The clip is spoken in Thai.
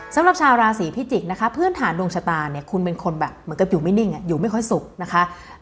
สำหรับชาวราศีพิจิกษ์นะคะพื้นฐานดวงชะตาเนี่ยคุณเป็นคนแบบเหมือนกับอยู่ไม่นิ่งอยู่ไม่ค่อยสุขนะคะ